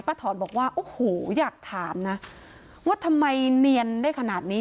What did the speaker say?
ถอนบอกว่าโอ้โหอยากถามนะว่าทำไมเนียนได้ขนาดนี้